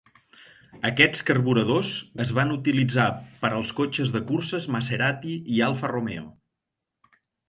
Aquests carburadors es van utilitzar per als cotxes de curses Maserati i Alfa Romeo.